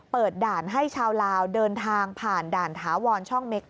ด่านให้ชาวลาวเดินทางผ่านด่านถาวรช่องเม็ก